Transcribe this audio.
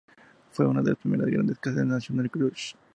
Fue una de primeras grandes casas del National Trust.